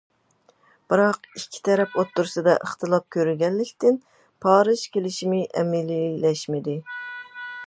بىراق ئىككى تەرەپ ئوتتۇرىسىدا ئىختىلاپ كۆرۈلگەنلىكتىن، پارىژ كېلىشىمى ئەمەلىيلەشمىدى.